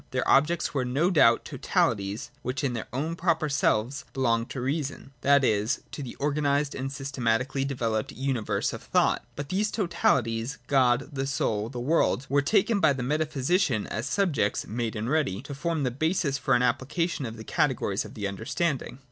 Their objects were no doubt totalities which in their own proper selves belong to reason, — that is, to the organised and systematically developed universe of thought. But these totahties — God, the Soul, the World, — were taken by the meta physician as subjects made and ready, to form the basis for an application of the categories of the under standing.